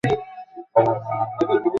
ও মনেহয় এখনো আমাকে মাফ করেনি।